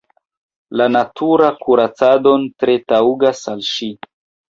La natura kuracadon tre taŭgas al ŝi.